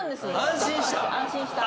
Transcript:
安心した。